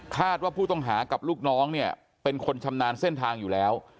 ว่าผู้ต้องหากับลูกน้องเนี่ยเป็นคนชำนาญเส้นทางอยู่แล้ว